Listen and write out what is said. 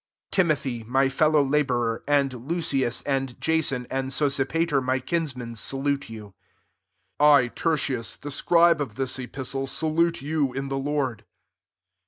21 Timothy, my fellow la bourer, and Lucius and Jason and Sosipater, my kinsmen, sa lute you. 22 I Tertius, the scribe of this epistle, salute you in the Lord.